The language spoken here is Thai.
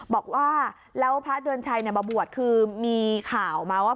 บอกว่าแล้วพระเดือนชัยมาบวชคือมีข่าวมาว่า